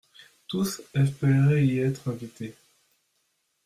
tous espéraient y être invités.